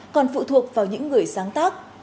còn phụ thuộc vào những người sáng tác